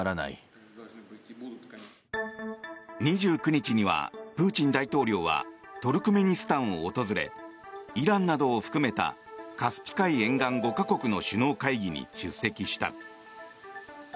２９日にはプーチン大統領はトルクメニスタンを訪れイランなどを含めたカスピ海沿岸５か国の首脳会議に出席した。